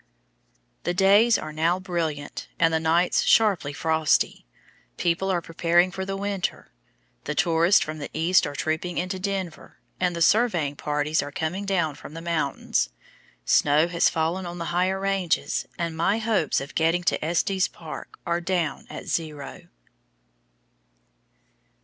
The days are now brilliant and the nights sharply frosty. People are preparing for the winter. The tourists from the East are trooping into Denver, and the surveying parties are coming down from the mountains. Snow has fallen on the higher ranges, and my hopes of getting to Estes Park are down at zero.